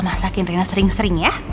masakin rina sering sering ya